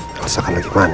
rasakan lagi mandi